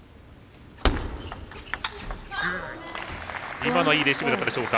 今のはいいレシーブだったでしょうか？